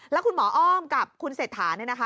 แล้วคุณหมออ้อมกับคุณเศรษฐาเนี่ยนะคะ